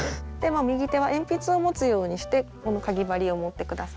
右手は鉛筆を持つようにしてかぎ針を持って下さい。